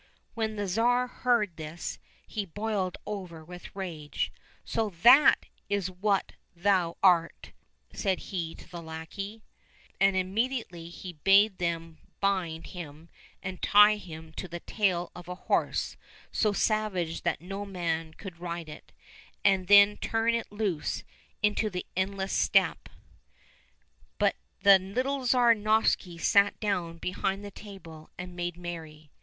When the Tsar heard this he boiled over with rage. " So that is what thou art !" said he to the lackey, and immediately he bade them bind him and tie him to the tail of a horse so savage that no man could ride it, and then turn it loose into the endless steppe. But the little Tsar Novishny sat down behind the table and made merry.